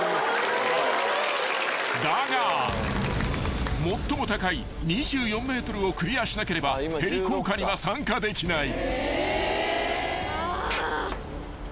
［だが最も高い２４ｍをクリアしなければヘリ降下には参加できない］